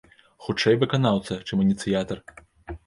Хутчэй, выканаўца, чым ініцыятар?